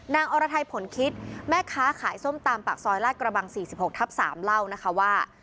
อรไทยผลคิดแม่ค้าขายส้มตำปากซอยลาดกระบัง๔๖ทับ๓เล่านะคะว่า